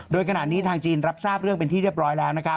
โดยขณะนี้ทางจีนรับทราบเรื่องเป็นที่เรียบร้อยแล้ว